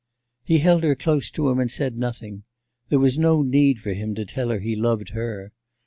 He held her close to him, and said nothing. There was no need for him to tell her he loved her.